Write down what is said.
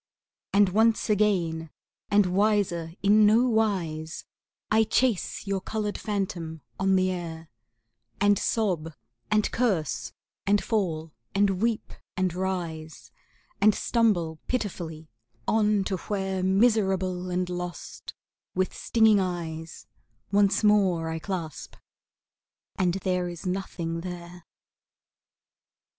And once again, and wiser is no wise, I chase your colored phantom on the air, And sob and curse and fall and weep and rise And stumble pitifully on to where, Miserable and lost, with stinging eyes, Once more I clasp and there is nothing there.